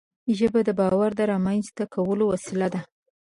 ژبه د باور د رامنځته کولو وسیله ده